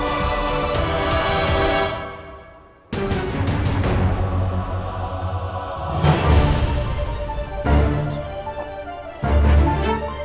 aku mau ke sana